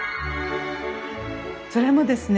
それもですね